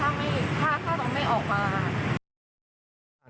ถ้าไม่ค่าค่าก็ต้องไม่ออกมา